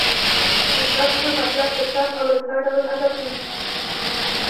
انسان خپل مطلب په سم او رسا ډول ادا کړي.